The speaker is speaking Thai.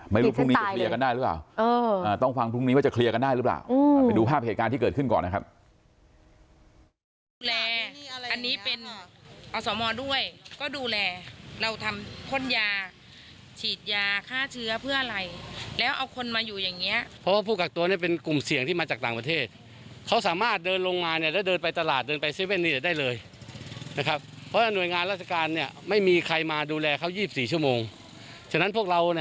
ไม่รู้พรุ่งนี้จะเคลียร์กันได้หรือเปล่าต้องฟังพรุ่งนี้ว่าจะเคลียร์กันได้หรือเปล่าไปดูภาพเหตุการณ์ที่เกิดขึ้นก่อนนะครับ